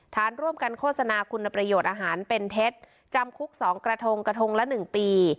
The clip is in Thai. ฐานร่วมกันโฆษณาคุณประโยชน์อาหารเป็นเท็จจำคุก๒กระทงกระทงละ๑ปี